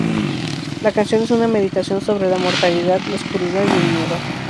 La canción es una meditación sobre la mortalidad, la oscuridad y el miedo.